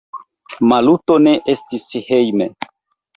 Maluto ne estis hejme.